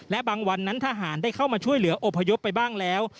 และบางวันนั้นทหารได้เข้ามาช่วยเหลืออพยพไปบ้างแล้ว